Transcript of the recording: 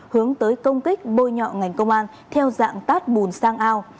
hướng tới công kích bôi nhọ ngành công an theo dạng tát bùn sang ao